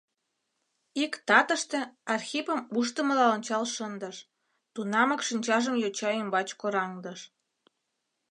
Ик татыште Архипым ушдымыла ончал шындыш, тунамак шинчажым йоча ӱмбач кораҥдыш.